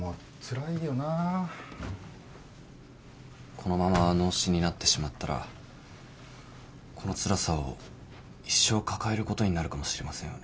このまま脳死になってしまったらこのつらさを一生抱えることになるかもしれませんよね。